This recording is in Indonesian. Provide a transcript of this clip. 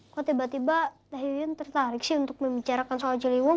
kok tiba tiba tahiyun tertarik sih untuk membicarakan soal ciliwung